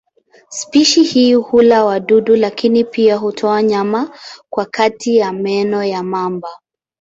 Spishi hii hula wadudu lakini pia hutoa nyama kwa kati ya meno ya mamba.